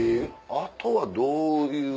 あとはどういう？